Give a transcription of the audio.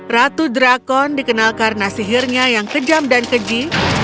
ratu drakon dikenal karena sihirnya yang kejam dan keji